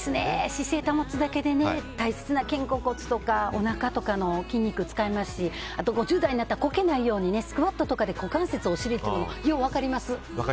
姿勢保つだけでね大切な肩甲骨とかおなかとかの筋肉を使いますしあと５０代になったらこけないようにスクワットとかで股関節を刺激するのよく分かります。